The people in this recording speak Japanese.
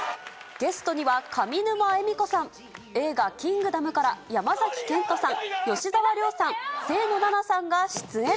ゲストには上沼恵美子さん、映画、キングダムから山崎賢人さん、吉沢亮さん、清野菜名さんが出演。